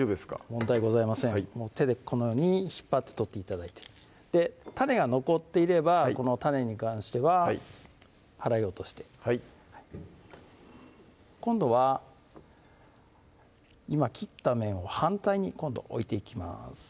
問題ございません手でこのように引っ張って取って頂いて種が残っていればこの種に関しては払い落としてはい今度は今切った面を反対に今度置いていきます